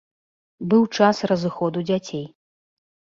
Быў час разыходу дзяцей.